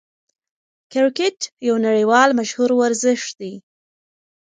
کرکټ یو نړۍوال مشهور ورزش دئ.